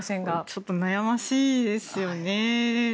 ちょっと悩ましいですよね。